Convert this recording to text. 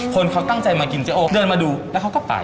คนเขาตั้งใจมากินเจ๊โอเดินมาดูแล้วเขาก็ไป